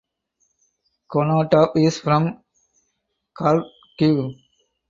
Konotop is from Kharkiv.